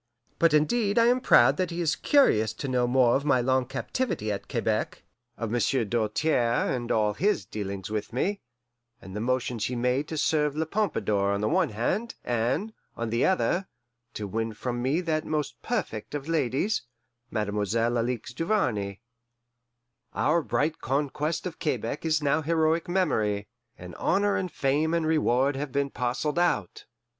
But indeed I am proud that he is curious to know more of my long captivity at Quebec, of Monsieur Doltaire and all his dealings with me, and the motions he made to serve La Pompadour on one hand, and, on the other, to win from me that most perfect of ladies, Mademoiselle Alixe Duvarney. Our bright conquest of Quebec is now heroic memory, and honour and fame and reward have been parcelled out.